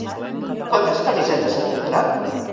Quantes camisetes s'han comprat?